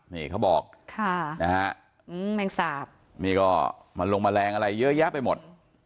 นี่เขาบอกมันลงแมลงอะไรเยอะแยะไปหมด